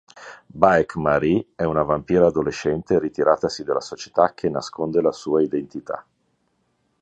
Baek Ma-ri è una vampira adolescente ritiratasi dalla società che nasconde la sua identità.